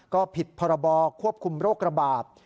ก็ผิดพรบควบคุมโรคระบาด